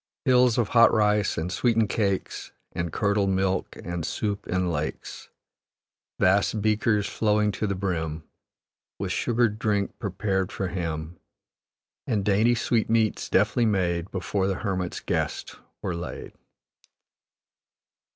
Hills of hot rice, and sweetened cakes, And curdled milk, and soup in lakes. Vast beakers flowing to the brim, With sugared drink prepared for him; And dainty sweetmeats, deftly made, Before the hermit's guest were laid."